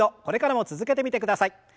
これからも続けてみてください。